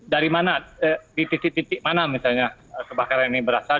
dari mana di titik titik mana misalnya kebakaran ini berasal